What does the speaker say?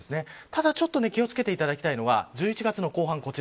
ただちょっと気を付けていただきたいのが１１月の後半。